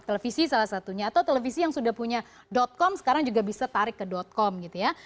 televisi salah satunya atau televisi yang sudah punya com sekarang juga bisa tarik ke com gitu ya